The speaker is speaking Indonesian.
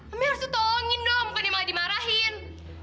mami harus tolongin dong bukan dia malah dimarahin